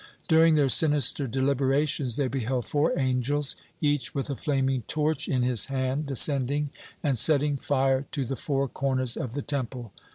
During their sinister deliberations, they beheld four angels, each with a flaming torch in his hand, descending and setting fire to the four corners of the Temple.